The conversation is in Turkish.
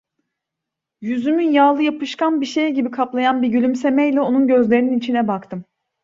Yüzümü yağlı, yapışkan bir şey gibi kaplayan bir gülümseme ile onun gözlerinin içine baktım.